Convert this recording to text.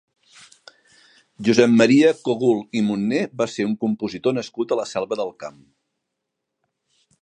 Josep Maria Cogul i Monné va ser un compositor nascut a la Selva del Camp.